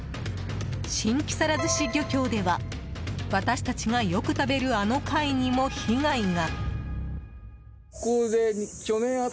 新木更津市漁協では私たちがよく食べるあの貝にも被害が。